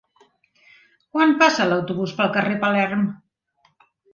Quan passa l'autobús pel carrer Palerm?